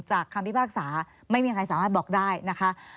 คำพิพากษาไม่มีใครสามารถบอกได้นะคะ